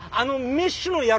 メッシュの野郎。